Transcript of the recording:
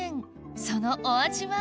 そのお味は？